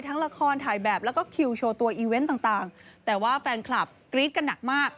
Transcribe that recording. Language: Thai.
ละครถ่ายแบบแล้วก็คิวโชว์ตัวอีเวนต์ต่างแต่ว่าแฟนคลับกรี๊ดกันหนักมาก